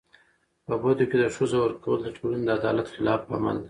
په بدو کي د ښځو ورکول د ټولني د عدالت خلاف عمل دی.